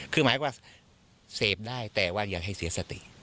คือหมายความเสพได้แต่ว่าอย่าให้เสียสติ